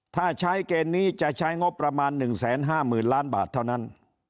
ถ้าใช้เกณฑ์นี้จะใช้งบประมาณหนึ่งแสนห้ามือนล้านบาทเท่านั้น